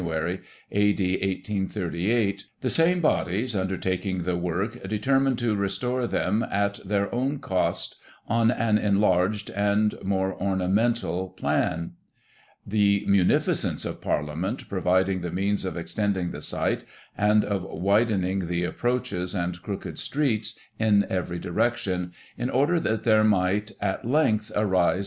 AD. 1838, the same Bodies, under taking the work^ determined to restore them at their own cost, on an enlarged and more ornamental plan ; the munifi cence of Parliament providing the means of extending the site, and of widening the approaches and crooked streets, in every direction ; in order that there might, at length, arise, 12 Digitized by Google 178 GOSSIP.